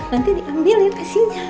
nanti diambilin asinnya